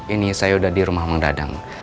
ini saya udah di rumah mang nadang